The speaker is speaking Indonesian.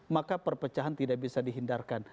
maka perpecahan tidak bisa dihindarkan